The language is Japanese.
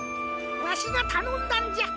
わしがたのんだんじゃ。